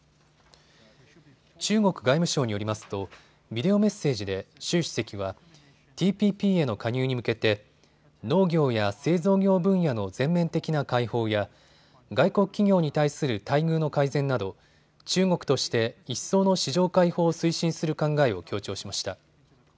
中国外務省によりますとビデオメッセージで習主席はＴＰＰへの加入に向けて農業や製造業分野の全面的な開放や外国企業に対する待遇の改善など中国として一層の市場開放を推進する考えを強調しました。